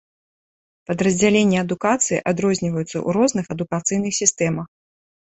Падраздзяленні адукацыі адрозніваюцца ў розных адукацыйных сістэмах.